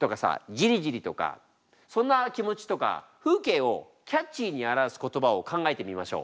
「ＪＩＲＩ−ＪＩＲＩ」とかそんな気持ちとか風景をキャッチーに表す言葉を考えてみましょう。